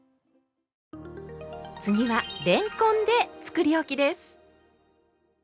次はれんこんでつくりおきです。